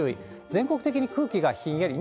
全国的に空気がひんやり。